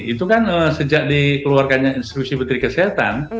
itu kan sejak dikeluarkannya institusi petri kesehatan